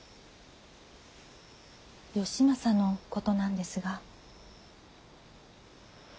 義正のことなんですが。